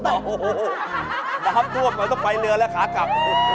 น้ำม่วบมันต้องไปเนื้อแล้วขาดกลับ